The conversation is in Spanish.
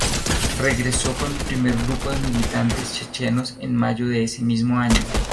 Regresó con el primer grupo de militantes chechenos en mayo de ese mismo año.